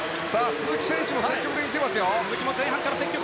鈴木選手も積極的に来ていますよ。